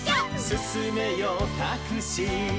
「すすめよタクシー」